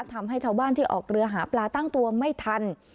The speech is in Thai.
ทำให้ชาวบ้านที่ออกเรือหาปลาตั้งตัวไม่ทัน